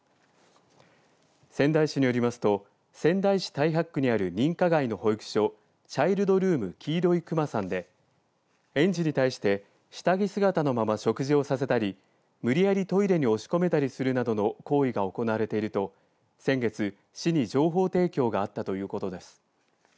仙台市によりますと仙台市太白区にある認可外の保育所チャイルドルームきいろいくまさんで園児に対して下着姿のまま食事をさせたり無理やりトイレに押し込めたりするなどの行為が行われていると先月、市に情報提供があったということです。